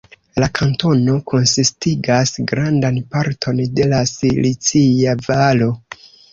La kantono konsistigas grandan parton de la Silicia Valo.